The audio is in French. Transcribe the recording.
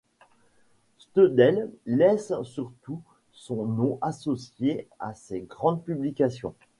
Steudel laisse surtout son nom associé à ses grandes publications.